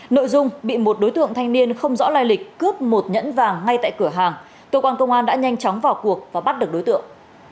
nội dung bị một đối tượng thanh niên không rõ lai lịch cướp một nhẫn vàng ngay tại cửa hàng cơ quan công an đã nhanh chóng vào cuộc và bắt được đối tượng